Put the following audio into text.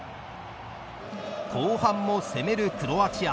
後半も攻めるクロアチア。